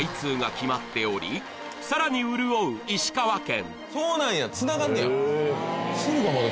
決まっておりさらに潤う石川県